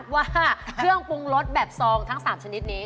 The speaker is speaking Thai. ว่าเครื่องปรุงรสแบบซองทั้ง๓ชนิดนี้